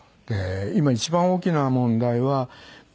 で今一番大きな問題は。